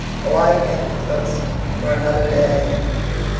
Oh, I kept the first for another day!